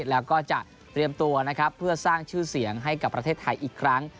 แล้วก็จะเตรียมตัวนะครับเพื่อสร้างชื่อเสียงให้กับประเทศไทยอีกครั้ง